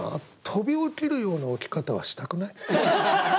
飛び起きるような起き方はしたくない。